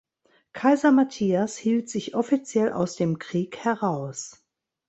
Kaiser Matthias hielt sich offiziell aus dem Krieg heraus.